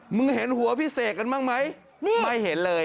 เห็นหัวพี่เสกกันบ้างไหมนี่ไม่เห็นเลย